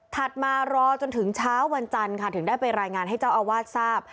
มารอจนถึงเช้าวันจันทร์ค่ะถึงได้ไปรายงานให้เจ้าอาวาสทราบ